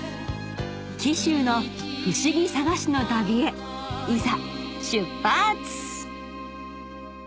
紀州の不思議探しの旅へいざ出発！